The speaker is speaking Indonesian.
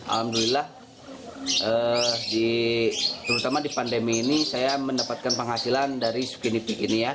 alhamdulillah terutama di pandemi ini saya mendapatkan penghasilan dari skinity ini ya